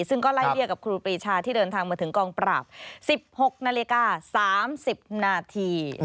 ซึ่งก็ไล่เรียกกับครูปรีชาที่เดินทางมาถึงกองปราบ๑๖นาฬิกา๓๐นาที